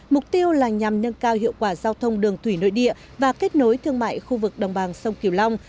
mục tiêu là nhằm nâng cao hiệu quả giao thông đường thủy nội địa và kết nối thương mại khu vực đồng bằng sông kiều long